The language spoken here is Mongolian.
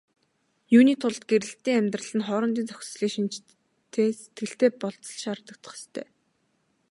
Юуны тулд гэрлэлтийн амьдрал нь хоорондын зохицлын шинжтэй сэтгэлтэй байх болзол шаардагдах ёстой.